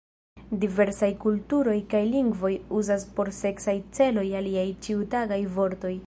Diversaj kulturoj kaj lingvoj uzas por seksaj celoj aliaj ĉiutagaj vortoj.